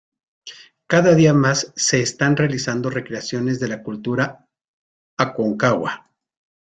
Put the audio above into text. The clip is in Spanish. Cada día más se están realizando recreaciones de la Cultura Aconcagua.